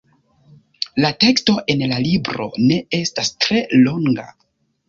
La teksto en la libro ne estas tre longa.